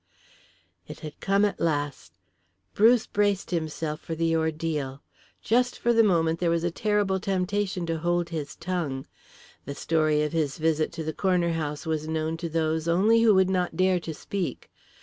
It had come at last. Bruce braced himself for the ordeal. Just for the moment there was a terrible temptation to hold his tongue. The story of his visit to the corner house was known to those only who would not dare to speak.